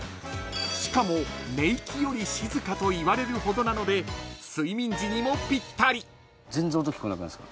［しかも寝息より静かといわれるほどなので睡眠時にもぴったり］